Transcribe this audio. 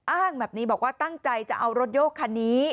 อ้างแบบนี้บอกว่าตั้งใจจะเอารถโยกคันนี้